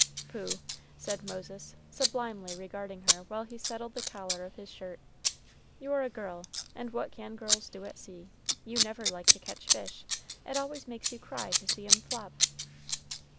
"Pooh!" said Moses, sublimely regarding her while he settled the collar of his shirt, "you're a girl; and what can girls do at sea? you never like to catch fish it always makes you cry to see 'em flop."